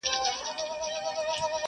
نور به بیا په ګران افغانستان کي سره ګورو,